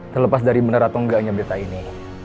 terlepas dari bener atau enggaknya berita ini